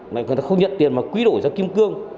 mà người ta không nhận tiền mà quý đổi ra kim cương